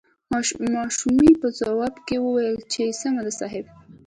ماشومې په ځواب کې وويل چې سمه ده صاحب.